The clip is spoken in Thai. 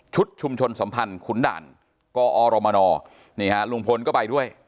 ชุมชนสัมพันธ์ขุนด่านกอรมนนี่ฮะลุงพลก็ไปด้วย